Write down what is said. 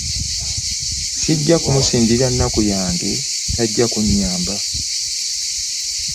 Ssijja kumusindira nnaku yange tajja kunnyamba.